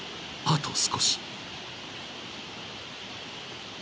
［あと少し］